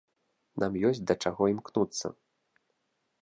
Нам ёсць да чаго імкнуцца.